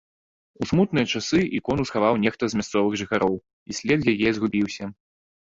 У смутныя часы ікону схаваў нехта з мясцовых жыхароў і след яе згубіўся.